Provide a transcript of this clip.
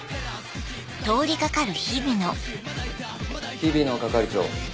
日比野係長。